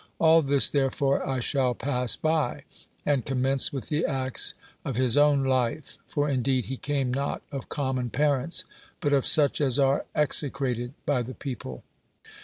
All this therefore, I shall pass by, and commence with the acts of his own life ; for indeed he came not of eomm.on parents, but of such as are execrated by the people.